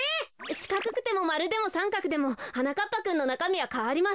しかくくてもまるでもさんかくでもはなかっぱくんのなかみはかわりません。